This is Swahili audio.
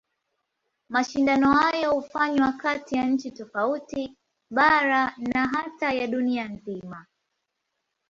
Mashindano hayo hufanywa kati ya nchi tofauti, bara na hata ya dunia nzima.